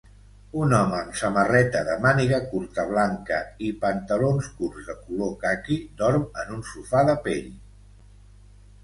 Un home amb samarreta de màniga curta blanca i pantalons curts de color caqui dorm en un sofà de pell.